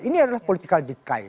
ini adalah political decay